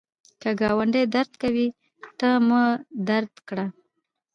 که ګاونډی درد کوي، تا مه درد کړه